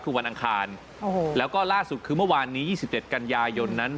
คือวันอังคารแล้วก็ล่าสุดคือเมื่อวานนี้๒๗กันยายนนั้น